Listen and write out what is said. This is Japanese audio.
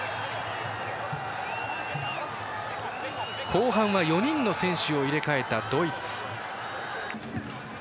後半は４人の選手を入れ替えたドイツ。